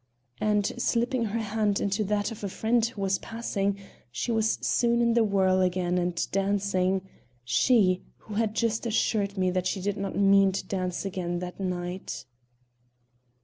And, slipping her hand into that of a friend who was passing, she was soon in the whirl again and dancing she who had just assured me that she did not mean to dance again that night.